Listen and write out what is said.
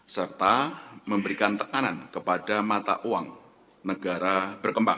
serta memberikan tekanan kepada mata uang negara berkembang